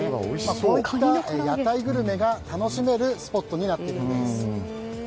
こういった屋台グルメが楽しめるスポットになっているんです。